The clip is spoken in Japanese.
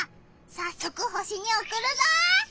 さっそく星におくるぞ！